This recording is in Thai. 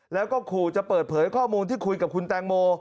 แล้วก็ขู่จะเปิดเผยข้อมูลที่คุยกับคุณแตงโม